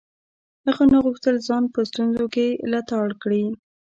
هغه نه غوښتل ځان په ستونزو کې لتاړ کړي.